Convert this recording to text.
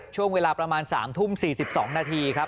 ช่วงเวลาประมาณ๓ทุ่ม๔๒นาทีครับ